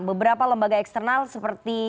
beberapa lembaga eksternal seperti